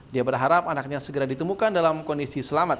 dia berharap anaknya segera ditemukan dalam kondisi selamat